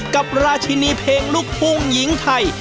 กับราชินีเพลงลูกทุ่งหญิงไทย